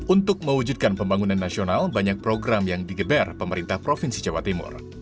untuk mewujudkan pembangunan nasional banyak program yang digeber pemerintah provinsi jawa timur